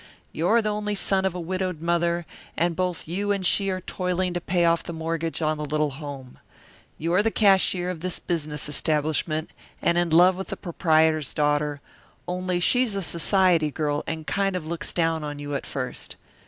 "You're the only son of a widowed mother and both you and she are toiling to pay off the mortgage on the little home. You're the cashier of this business establishment, and in love with the proprietor's daughter, only she's a society girl and kind of looks down on you at first.